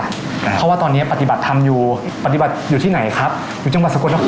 เพราะว่าตอนเนี้ยปฏิบัติธรรมอยู่ปฏิบัติอยู่ที่ไหนครับอยู่จังหวัดสกลนคร